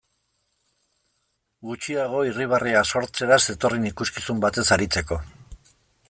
Gutxiago irribarrea sortzera zetorren ikuskizun batez aritzeko.